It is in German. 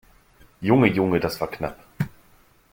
Junge, Junge, das war knapp!